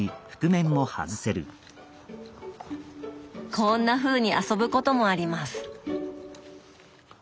こんなふうに遊ぶこともあります。